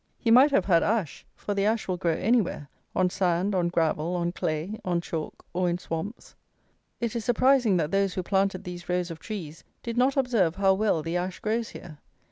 He might have had ash; for the ash will grow anywhere; on sand, on gravel, on clay, on chalk, or in swamps. It is surprising that those who planted these rows of trees did not observe how well the ash grows here!